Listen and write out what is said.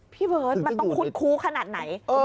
พี่เบิร์ดที่จะอยู่มันต้องคุ้นคุ้ขนาดไหนเออ